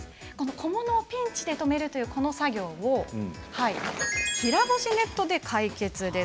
小物をピンチで留めるという作業平干しネットで解決です。